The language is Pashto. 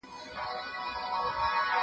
زه اجازه لرم چي کتابتون ته راشم؟!